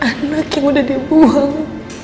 anak yang udah dibuang